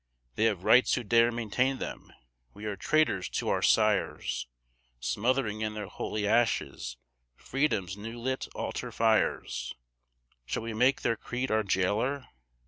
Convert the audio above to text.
They have rights who dare maintain them; we are traitors to our sires, Smothering in their holy ashes Freedom's new lit altar fires; Shall we make their creed our jailer?